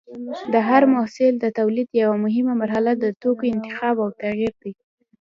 د هر محصول د تولید یوه مهمه مرحله د توکو انتخاب او تغیر دی.